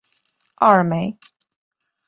奥尔梅。